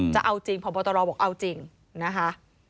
จะเอาจริงพบตรบอกเอาจริงนะคะ